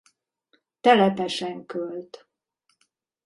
Telepesen költ.